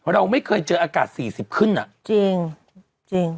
เราไม่เคยเจออากาศ๔๐ขึ้นอ่ะจริง